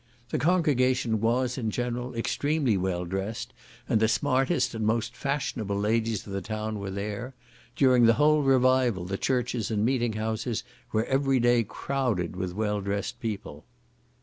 The congregation was, in general, extremely well dressed, and the smartest and most fashionable ladies of the town were there; during the whole revival the churches and meeting houses were every day crowded with well dressed people.